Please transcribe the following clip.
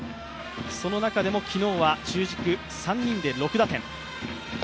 その中でも昨日は中軸３人で６打点。